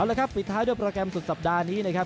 แล้วครับปิดท้ายด้วยโปรแกรมสุดสัปดาห์นี้นะครับ